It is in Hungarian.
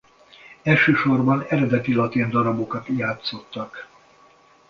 Elsősorban eredeti latin darabokat játszottak.